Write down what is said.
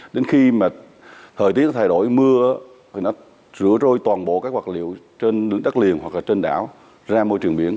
đến khi mà thời tiết thay đổi mưa thì nó rửa rôi toàn bộ các hoạt liệu trên đất liền hoặc là trên đảo ra môi trường biển